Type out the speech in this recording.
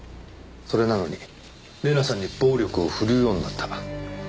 それなのに玲奈さんに暴力を振るうようになった。